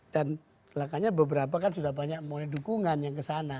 dan celakanya beberapa kan sudah banyak mau dukungan yang kesana